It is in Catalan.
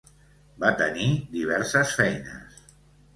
Va tenir diverses feines.